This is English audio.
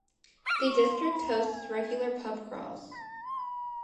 The district hosts regular pub crawls.